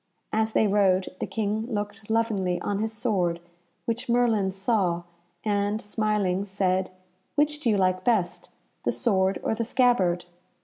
As they rode the King looked lovingly on his sword, which Merlin saw, and, smiling, said, "Which do you like best, the sword or the scabbard?"